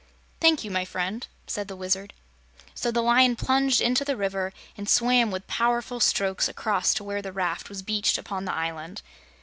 "Thank you, my friend," said the Wizard. So the Lion plunged into the river and swam with powerful strokes across to where the raft was beached upon the island.